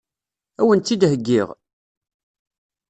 Ad wen-tt-id-heggiɣ?